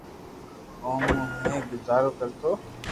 او مون ھي گزارو ڪرتو